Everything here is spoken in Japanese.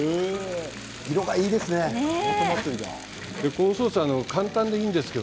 色がいいですね。